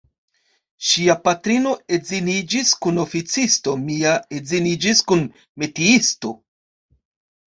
Ŝia patrino edziniĝis kun oficisto, mia edziniĝis kun metiisto.